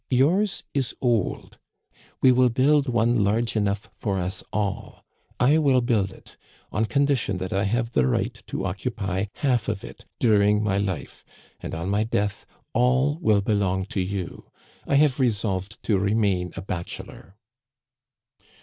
Yours is old. We will build one large enough for us all. I will build it, on condition that I have the right to occupy half of it during my life ; and on my death all will belong to you. I have resolved to remain a bachelor."